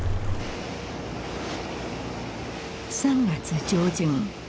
３月上旬。